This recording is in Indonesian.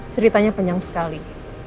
ceritanya penyang sekali